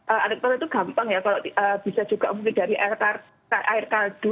elektoral itu gampang ya kalau bisa juga mungkin dari air kaldu